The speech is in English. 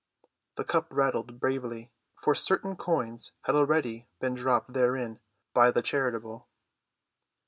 The cup rattled bravely, for certain coins had already been dropped therein by the charitable.